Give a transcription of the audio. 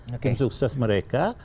yang sukses mereka